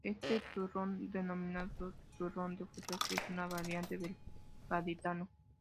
Este turrón, denominado turrón de frutas, es una variante del gaditano.